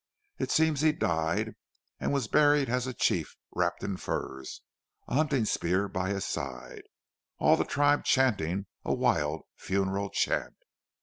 It seems he died, and was buried as a chief, wrapped in furs, a hunting spear by his side, all the tribe chanting a wild funeral chant!